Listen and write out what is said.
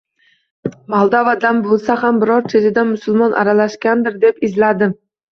Moldovadan bo‘lsa ham, biror chetidan musulmon aralashgandir deb izladim.